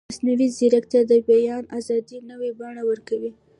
مصنوعي ځیرکتیا د بیان ازادي نوې بڼه ورکوي.